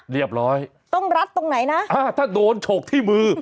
เรียบร้อยต้องรัดตรงไหนนะอ่าถ้าโดนฉกที่มือ